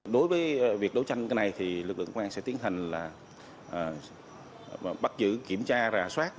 đối với việc đấu tranh này lực lượng công an sẽ tiến hành bắt giữ kiểm tra rà soát